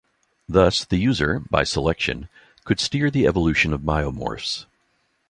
Thus, the user, by selection, could steer the evolution of biomorphs.